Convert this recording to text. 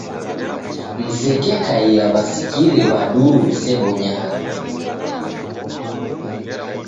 Msekekaia w'asikiri w'aduu w'isebonyagha.